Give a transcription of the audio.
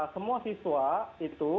semua siswa itu